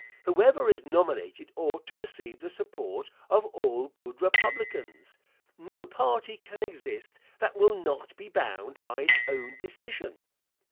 Whoever is nominated ought to receive the support of all good Republicans. No party can exist that will not be bound by its own decision.